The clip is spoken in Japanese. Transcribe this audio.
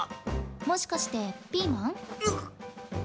もしかしてピーマン？